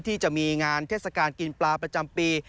ที่จะมีงานเทศกาลกินปลาประจำปี